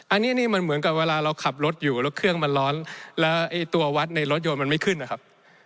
อันนี้นี่มันเหมือนกับเวลาเราขับรถอยู่แล้วเครื่องมันร้อนแล้วไอ้ตัววัดในรถยนต์มันไม่ขึ้นนะครับ